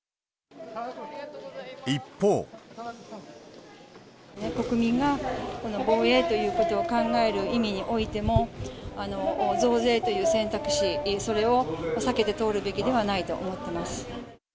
一方。国民が防衛ということを考える意味においても、増税という選択肢、それを避けて通るべきではないと思っています。